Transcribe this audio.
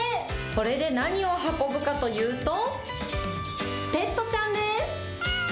これで何を運ぶかというと、ペットちゃんです。